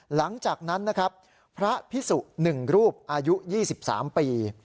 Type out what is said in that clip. หลังจากนั้นนะครับพระพิสุ๑รูปอายุ๒๓ปี